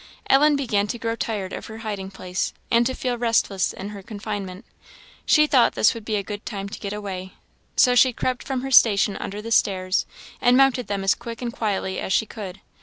Ellen began to grow tired of her hiding place, and to feel restless in her confinement she thought this would be a good time to get away; so she crept from her station under the stairs, and mounted them as quick and as quietly as she could.